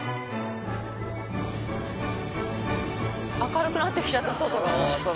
明るくなって来ちゃった外が。